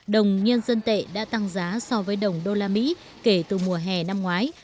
đồng nhân dân tệ đã tăng giá so với đồng đô la mỹ kể từ mùa hè năm ngoái